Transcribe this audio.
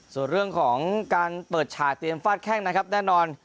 ส่วนเรื่องของการเปิดฉากเตรียมฟาดแข้งนะครับแน่นอน